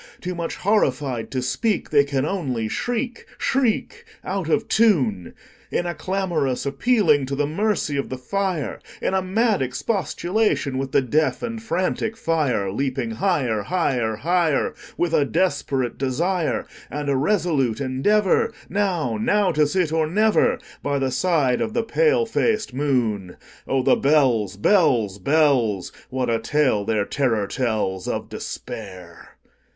Too much horrified to speak, They can only shriek, shriek, Out of tune, In a clamorous appealing to the mercy of the fire, In a mad expostulation with the deaf and frantic fire, Leaping higher, higher, higher, With a desperate desire, And a resolute endeavorNow—now to sit or never, By the side of the pale faced moon. Oh, the bells, bells, bells! What a tale their terror tellsOf Despair!